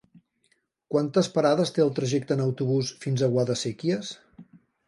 Quantes parades té el trajecte en autobús fins a Guadasséquies?